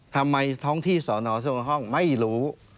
ทำไมทั้งที่สอนอทุก๒ห้องไม่รู้